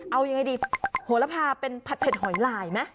เอายังไงดีโหระพาเป็นผัดเผ็ดหอยลายไหม